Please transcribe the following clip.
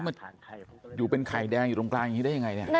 มันอยู่เป็นไข่แดงอยู่ตรงกลางอย่างนี้ได้อย่างไร